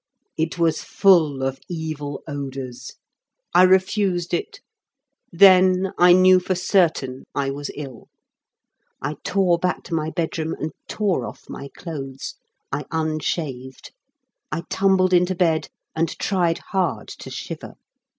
It was full of evil odours. I refused it. Then I knew for certain I was ill. I tore back to my bedroom and tore off my clothes. I unshaved. I tumbled into bed and tried hard to shiver.